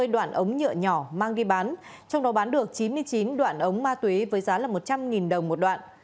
một trăm sáu mươi đoạn ống nhựa nhỏ mang đi bán trong đó bán được chín mươi chín đoạn ống máu túy với giá một trăm linh đồng một đoạn